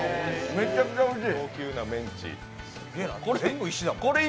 めちゃくちゃおいしい。